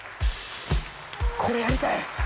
これやりたい！